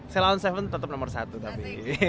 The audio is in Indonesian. saya lawan seven tetap nomor satu tapi